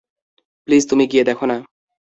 Please তুমি গিয়ে দেখ না।